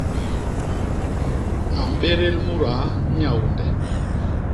A mbédél mudaa Nyaônde.